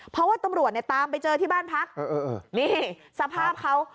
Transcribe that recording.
เพราะว่าตำรวจตามไปเจอที่บ้านพักสภาพเขา